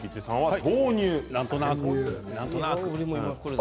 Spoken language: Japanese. なんとなく。